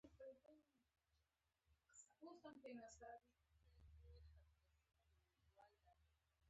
تر هغه وخته تمرين وکړئ چې د دغو پيسو فزيکي موجوديت رښتيا هم ووينئ.